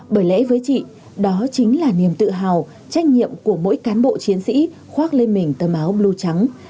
bởi lẽ với chị đó chính là niềm tự hào trách nhiệm của mỗi cán bộ chiến sĩ khoác lên mình tờ báo blue trắng